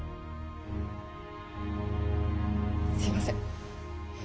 すいません。